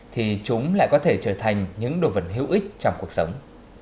thì chúng lại có thể trở thành những đồ vật hữu ích trong cuộc sống